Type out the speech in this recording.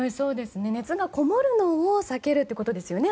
熱がこもるのを避けるということですね。